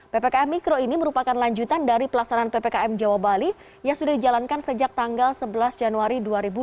ppkm mikro ini merupakan lanjutan dari pelaksanaan ppkm jawa bali yang sudah dijalankan sejak tanggal sebelas januari dua ribu dua puluh